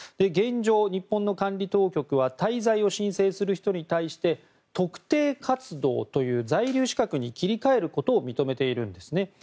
現状、日本の管理当局は滞在を申請する人に対して特定活動という在留資格に切り替えることを認めているんですね。